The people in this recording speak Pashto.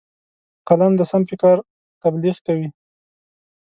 قلم د سم فکر تبلیغ کوي